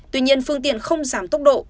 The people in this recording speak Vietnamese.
tuy nhiên phương tiện không giảm tốc độ